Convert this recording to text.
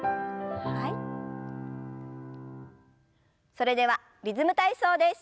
それでは「リズム体操」です。